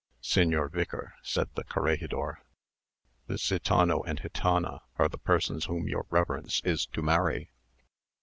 "Señor Vicar," said the corregidor, "this gitano and gitana are the persons whom your reverence is to marry."